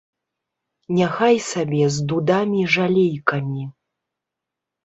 Няхай сабе з дудамі жалейкамі.